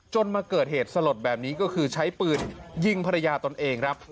มาเกิดเหตุสลดแบบนี้ก็คือใช้ปืนยิงภรรยาตนเองครับ